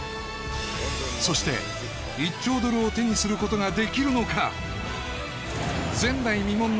そして１兆ドルを手にすることができるのか？